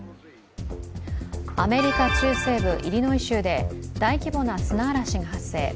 アメリカ中西部・イリノイ州で大規模な砂嵐が発生。